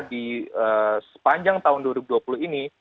di sepanjang tahun dua ribu dua puluh ini